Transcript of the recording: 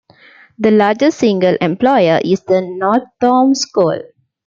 The largest single employer is the Northome School.